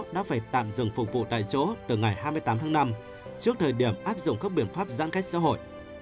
đã phải tạm dừng phục vụ tại chỗ từ ngày hai mươi tám tháng năm trước thời điểm áp dụng các biện pháp giãn cách xã hội